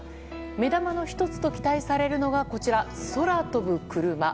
目玉の１つと期待されるのがこちら、空飛ぶクルマ。